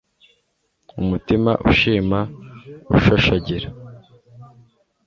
umutima ushima ushashagira